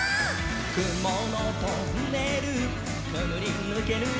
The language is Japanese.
「くものトンネルくぐりぬけるよ」